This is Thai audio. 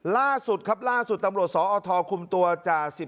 ล่าสุดครับล่าสุดตำรวจสอทคุมตัวจ่าสิบ